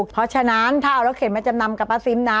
เพราะฉะนั้นถ้าเอารถเข็นมาจำนำกับป้าซิมนะ